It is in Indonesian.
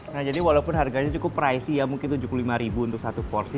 nah jadi walaupun harganya cukup pricey ya mungkin tujuh puluh lima untuk satu porsi